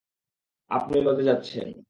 আপনি লজে যাচ্ছেন।